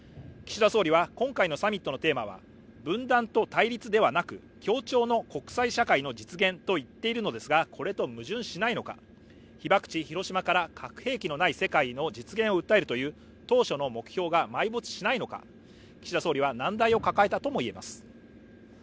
今回のサミットのテーマは、分断と対立ではなく協調の国際社会の実現を言っているのですが、これと矛盾しないのか、被爆地・広島から核兵器のない世界の実現を訴えるという島しょの目標が埋没しないのか、岸田総理は難題を抱えたとも言えます。